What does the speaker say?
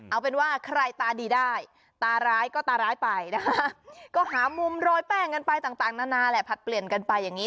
เอาเป็นว่าใครตาดีได้ตาร้ายก็ตาร้ายไปนะคะก็หามุมโรยแป้งกันไปต่างนานาแหละผลัดเปลี่ยนกันไปอย่างนี้